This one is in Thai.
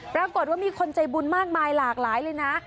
ปรากฏว่ามีคนใจบุญมากมายหลากหลายเลยนะ